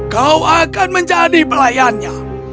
kau akan menjadi pelayannya